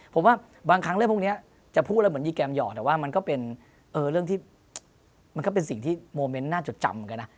ผมว่าบางครั้งเรื่องพวกนี้จะพูดแล้วเหมือนยีแกมหยอกแต่ว่ามันก็เป็นเรื่องที่มันก็เป็นสิ่งที่โมเมนต์น่าจดจำเหมือนกันนะ